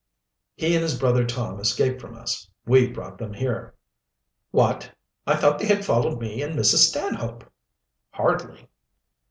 "He and his brother Tom escaped from us. We brought them here," "What! I thought they had followed me and Mrs. Stanhope." "Hardly."